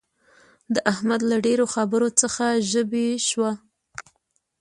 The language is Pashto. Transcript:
د احمد له ډېرو خبرو څخه ژبۍ شوه.